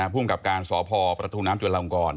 ภูมิกับการสพประตูน้ำจุลาลงกร